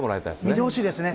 見てほしいですね。